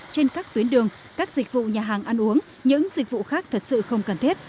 trên các tuyến đường các dịch vụ nhà hàng ăn uống những dịch vụ khác thật sự không cần thiết